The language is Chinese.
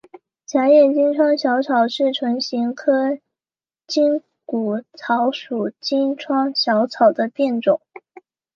狭叶金疮小草是唇形科筋骨草属金疮小草的变种。